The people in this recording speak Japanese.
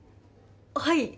はい。